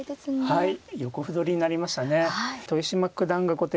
はい。